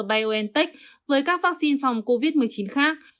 biontech với các vaccine phòng covid một mươi chín khác